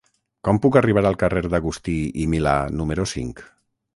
Com puc arribar al carrer d'Agustí i Milà número cinc?